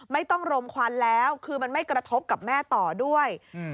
รมควันแล้วคือมันไม่กระทบกับแม่ต่อด้วยอืม